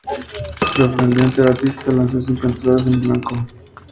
Sorprendentemente, "Batista" lanzó cinco entradas en blanco, permitiendo tres hits y seis ponches.